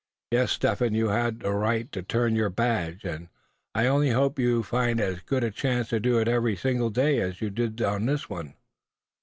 Yes, Step Hen, you had a right to turn your badge; and I only hope you find as good a chance to do it every single day, as you did on this one."